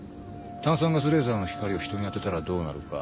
炭酸ガスレーザーの光を人に当てたらどうなるか。